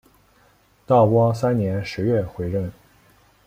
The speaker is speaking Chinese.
道光三年十月回任。